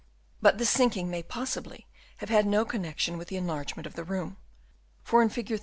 But this sinking may possibly have had no connection with the enlargement of the room; for in Fig.